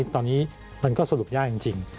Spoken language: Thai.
ตอนนี้มันก็สรุปยากจริง